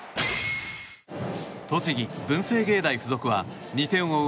栃木・文星芸大附属は２点を追う